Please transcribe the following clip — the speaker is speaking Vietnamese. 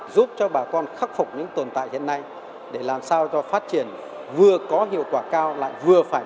giúp cho bà con khắc phục những tồn tại hiện nay để làm sao cho phát triển vừa có hiệu quả cao lại vừa phải